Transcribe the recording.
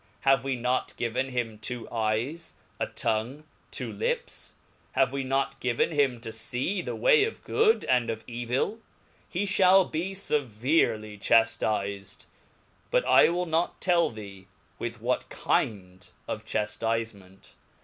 Have w e not given him two eyes, a tongue, two ^gainft co lips/* Have we not given him to fee thew^ay of goodand of '!"^* evil ? he fliall be fevercly chaftifed, but I will not tell thee with ^''^'™''^ what kind of chaftifement.